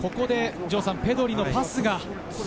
ペドリのパスが。